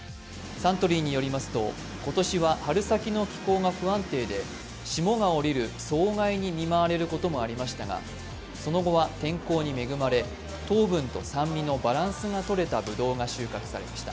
サントリーによりますと、今年は春先の気候が不安定で霜が降りる霜害に見舞われることもありましたがその後は天候に恵まれ糖分と酸味のバランスがとれたぶどうが収穫されました。